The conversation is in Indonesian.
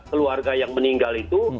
keluarga yang meninggal itu